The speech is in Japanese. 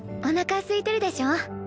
おなかすいてるでしょ？